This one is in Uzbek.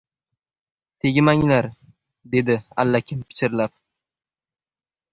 — Tegmanglar! — dedi allakim pichirlab.